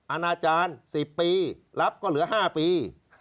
อาณาจารย์สิบปีรับก็เหลือห้าปี